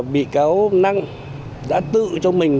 bị cáo năng đã tự cho mình